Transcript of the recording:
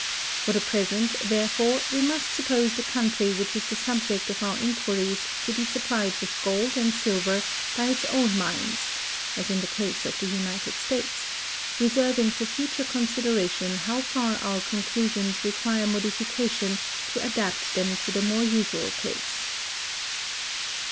For the present, therefore, we must suppose the country which is the subject of our inquiries to be supplied with gold and silver by its own mines [as in the case of the United States], reserving for future consideration how far our conclusions require modification to adapt them to the more usual case.